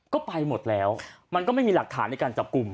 ก็ไปหมดแล้วมันก็ไม่มีหลักฐานในการจับกลุ่ม